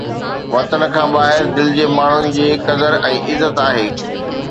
وطن کان ٻاهر دل جي ماڻهن جي قدر ۽ عزت آهي